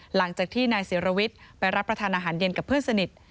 หลังจากที่นายศิรวิทย์ไปรับประทานอาหารเย็นกับเพื่อนสนิท